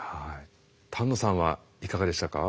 丹野さんはいかがでしたか？